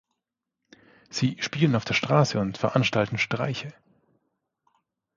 Sie spielen auf der Straße und veranstalten Streiche.